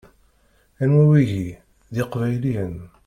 Anwa wigi? D iqbayliyen!